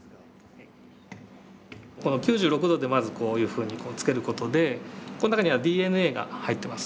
この９６度でまずこういうふうにつける事でこの中にはＤＮＡが入ってます。